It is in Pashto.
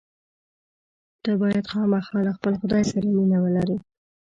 ته باید خامخا له خپل خدای سره مینه ولرې.